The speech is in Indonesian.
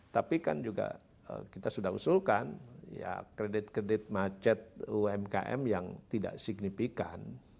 tapi kan juga kita sudah usulkan ya kredit kredit macet umkm yang tidak signifikan